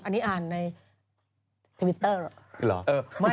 อันนี้อ่านในทวิตเตอร์เหรอ